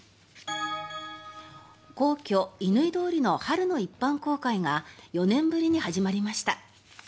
皇居・乾通りの春の一般公開が４年ぶりに始まりました。